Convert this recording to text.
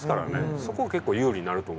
そこ結構有利になると思います。